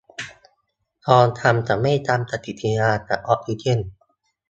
ทองคำจะไม่ทำปฏิกิริยากับออกซิเจน